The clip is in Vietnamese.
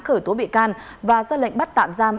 khởi tố bị can và ra lệnh bắt tạm giam